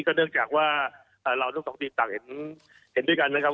เนื่องจากว่าเราทั้งสองทีมต่างเห็นด้วยกันนะครับ